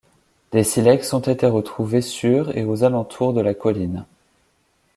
Des silex ont été retrouvés sur et aux alentours de la colline.